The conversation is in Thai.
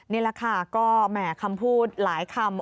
นี่แหละค่ะก็แหมคำพูดหลายคำ